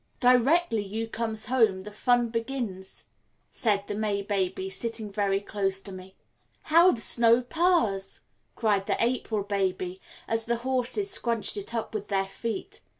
"Directly you comes home the fun begins," said the May baby, sitting very close to me. "How the snow purrs!" cried the April baby, as the horses scrunched it up with their feet.